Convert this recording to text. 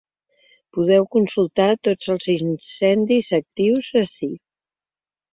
Podeu consultar tots els incendis actius ací.